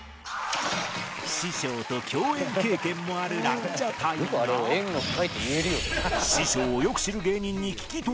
師匠と共演経験もあるランジャタイが師匠をよく知る芸人に聞き取り調査を行い